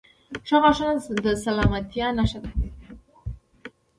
• ښه غاښونه د سلامتیا نښه ده.